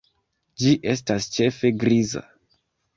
Ĝi estas ĉefe griza.